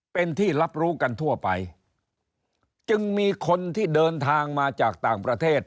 เป็นที่รับรู้กันทั่วไปจึงมีคนที่เดินทางมาจากต่างประเทศ